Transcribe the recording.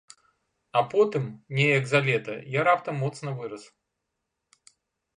А потым неяк за лета я раптам моцна вырас.